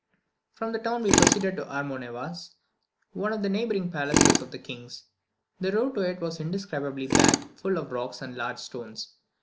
From the town we proceeded to Armornevas, one of the neighbouring palaces of the king's. The road to it was indescribably bad, full of rocks and large stones.